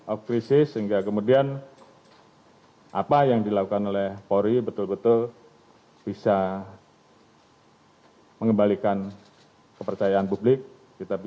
assalamu alaikum warahmatullahi wabarakatuh